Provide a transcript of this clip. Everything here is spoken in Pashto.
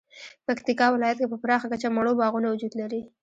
پکتیکا ولایت کې په پراخه کچه مڼو باغونه وجود لري